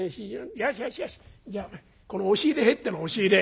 よしよしよしじゃこの押し入れ入ってろ押し入れ」。